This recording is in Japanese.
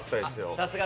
さすが。